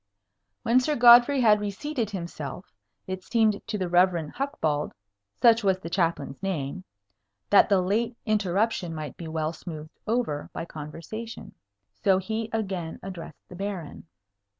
When Sir Godfrey had reseated himself, it seemed to the Rev. Hucbald (such was the Chaplain's name) that the late interruption might be well smoothed over by conversation. So he again addressed the Baron.